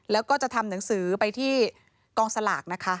แล้วก็จะทำหนังสือไปที่กองสลากนะคะ